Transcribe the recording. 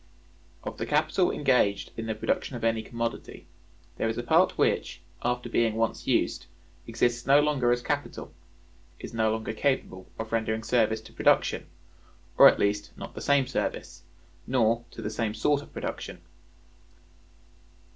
Of the capital engaged in the production of any commodity, there is a part which, after being once used, exists no longer as capital; is no longer capable of rendering service to production, or at least not the same service, nor to the same sort of production.